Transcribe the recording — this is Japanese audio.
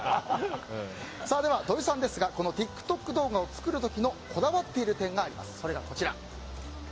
では土井さんですがこのＴｉｋＴｏｋ動画を作るときにこだわっている点が、こちら。